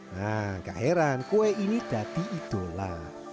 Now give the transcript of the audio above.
nah gak heran kue ini dati idola